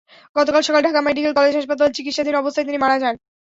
গতকাল সকালে Dhaka medical college হাসপাতালে চিকিৎসাধীন অবস্থায় তিনি মারা যান।